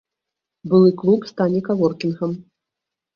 Былы клуб стане каворкінгам.